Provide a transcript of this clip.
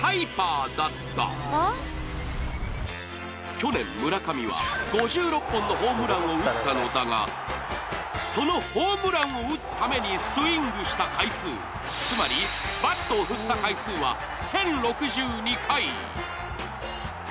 去年、村上は５６本のホームランを打ったのだがそのホームランを打つためにスイングした回数つまりバットを振った回数は１０６２回。